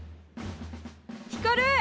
ひかる！